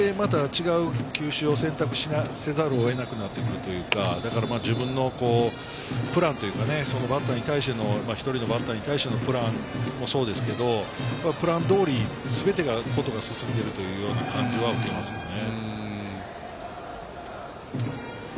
違う球種を選択せざるを得なくなってくるというか、自分のプランというか、バッターに対してのプランもそうですけれど、プラン通り全てが進んでいるというような感じは受けますよね。